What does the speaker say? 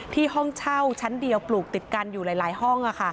ห้องเช่าชั้นเดียวปลูกติดกันอยู่หลายห้อง